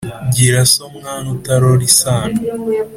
Gira so mwana utarora isano